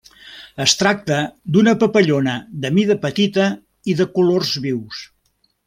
Es tracta d'una papallona de mida petita i de colors vius.